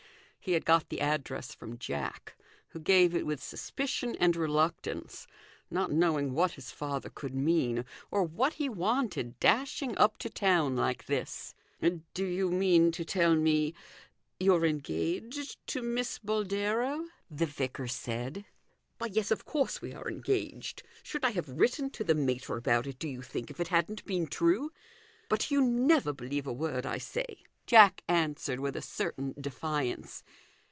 He had got the address from Jack, who gave it with sus picion and reluctance, not knowing what his father could mean, or what he wanted dashing up to town like this. " Do you mean to tell me you're engaged to Miss Boldero ?" the vicar said. " Why, yes ; of course we are engaged. Should I have written to the mater about it, do you think, if it hadn't been true ? But you never believe a word I say," Jack answered, with a certain defiance.